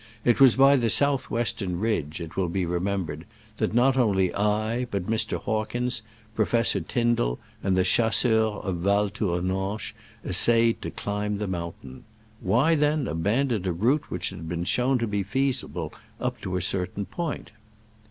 It. was by the south western ridge, it will be remembered, that not only I, but Mr. Hawkins, Professor Tyndall and the chasseurs of Val Tour nanche, essayed to climb the mountain. Why, then, abandon a route which had been shown to be feasible up to a certain point